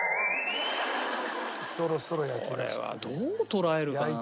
これはどう捉えるかなんだよな。